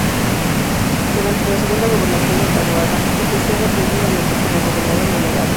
Durante la segunda gobernación de Taboada ejerció repetidamente como gobernador delegado.